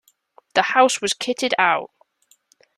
The house was kitted out.